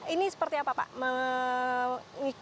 ini seperti apa pak